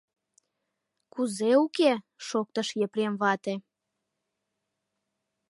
— Кузе уке? — шоктыш Епрем вате.